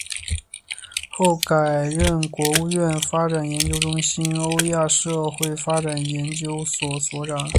后改任国务院发展研究中心欧亚社会发展研究所所长。